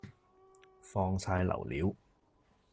放晒流料！